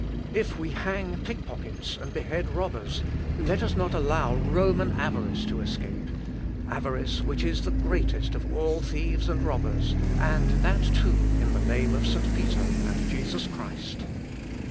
If we hang pickpockets, and behead robbers, let us not allow Roman avarice to escape avarice, which is the greatest of all thieves and robbers, and that too in the name of St. Peter and Jesus Christ.